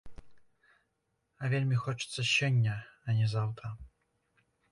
А вельмі хочацца сёння, а не заўтра.